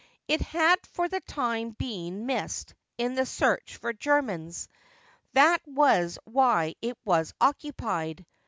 It had for the time been missed in the search for Germans; that was why it was occupied.